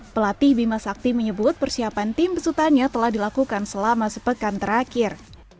pelatih bima sakti menyebut persiapan tim besutannya telah dilakukan selama sepekan terakhir